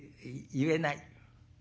「言えない？